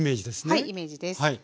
はいイメージです。